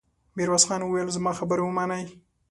ميرويس خان وويل: زما خبره ومنئ!